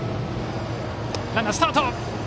ランナー、スタート！